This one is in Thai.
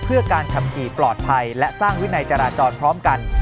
เพื่อการขับขี่ปลอดภัยและสร้างวินัยจราจรพร้อมกัน